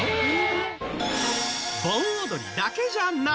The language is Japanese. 盆踊りだけじゃない！